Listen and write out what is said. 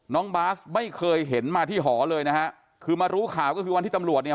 น้องบาสไม่เคยเห็นมาที่หอเลยนะฮะคือมารู้ข่าวก็คือวันที่ตำรวจเนี่ย